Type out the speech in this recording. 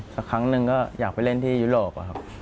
สักครั้งหนึ่งก็อยากไปเล่นที่ยุโรปอะครับ